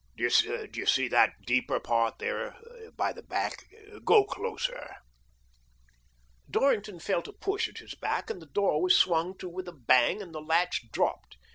Do you see that deeper part there by the back ?— go closer." Dorrington felt a push at his back and the door was swung to with a bang, and the latch dropped.